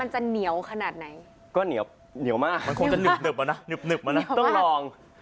หนึบมานะต้องลอง